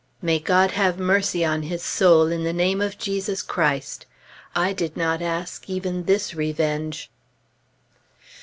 May God have mercy on his soul, in the name of Jesus Christ! I did not ask even this revenge.